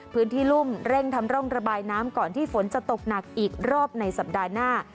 รุ่มเร่งทำร่องระบายน้ำก่อนที่ฝนจะตกหนักอีกรอบในสัปดาห์หน้า